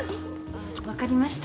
あ分かりました。